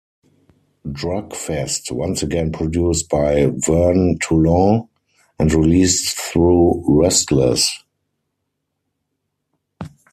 Drug Fest, once again produced by Vern Toulon and released through Restless.